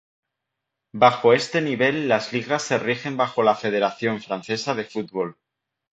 Bajo este nivel las ligas se rigen bajo la Federación Francesa de Fútbol.